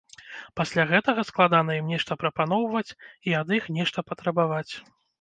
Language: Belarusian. Пасля гэтага складана ім нешта прапаноўваць і ад іх нешта патрабаваць.